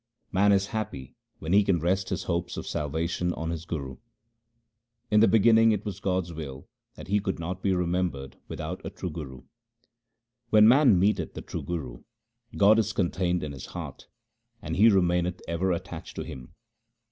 Man is happy when he can rest his hopes of salvation on his Guru. In the beginning it was God's will that He could not be remembered without a true Guru. When man meeteth the true Guru, God is contained in his heart, and he remaineth ever attached to Him.